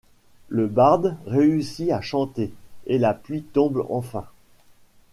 Le barde réussit à chanter, et la pluie tombe enfin.